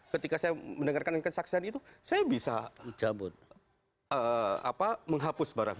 ketika saya mendengarkan kesaksian itu saya bisa menghapus barang